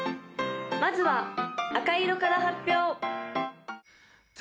まずは赤色から発表！